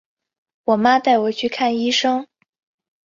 我妈带我去看医生